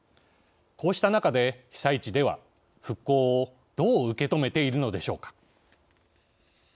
こうした中で被災地では復興をどう受け止めているのでしょうか。